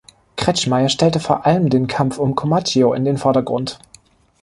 Kretschmayr stellte vor allem den Kampf um Comacchio in den Vordergrund.